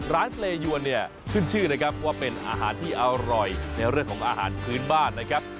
เปรยวนเนี่ยขึ้นชื่อนะครับว่าเป็นอาหารที่อร่อยในเรื่องของอาหารพื้นบ้านนะครับ